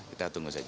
kita tunggu saja